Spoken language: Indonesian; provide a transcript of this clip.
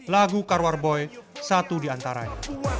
lagu karwar boy satu di antaranya